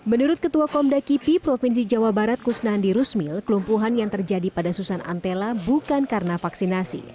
menurut ketua komda kipi provinsi jawa barat kusnandi rusmil kelumpuhan yang terjadi pada susan antela bukan karena vaksinasi